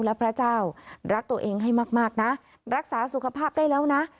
และพระเจ้ารักตัวเองให้มากนะรักษาสุขภาพได้แล้วนะ